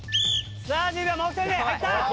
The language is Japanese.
さあ１０秒もう１人入った。